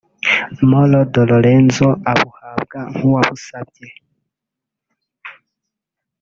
Mauro de Laurenzo abuhabwa nk’uwabusabye